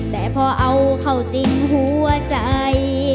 แต่พอเอาเข้าจริงหัวใจ